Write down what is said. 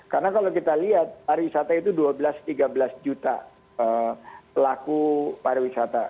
karena kalau kita lihat pariwisata itu dua belas tiga belas juta pelaku pariwisata